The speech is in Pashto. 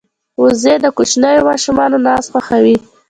وزې د کوچنیو ماشومانو ناز خوښوي